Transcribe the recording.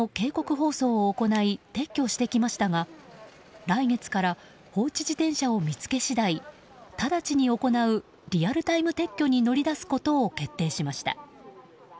放送を行い撤去してきましたが来月から、放置自転車を見つけ次第直ちに行うリアルタイム撤去に乗り出すことを決定しました。